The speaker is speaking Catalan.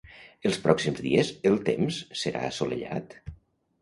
Els pròxims dies el temps serà assolellat?